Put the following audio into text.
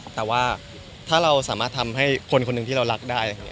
แต่ว่าถ้าเราสามารถทำให้คนคนหนึ่งที่เรารักได้